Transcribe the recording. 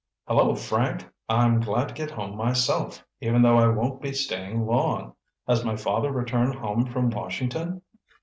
"Hello, Frank! I'm glad to get home myself, even though I won't be staying long. Has my father returned home from Washington?"